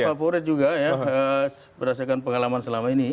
favorit juga ya berdasarkan pengalaman selama ini